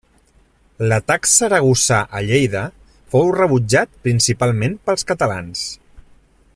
L'atac saragossà a Lleida fou rebutjat principalment pels catalans.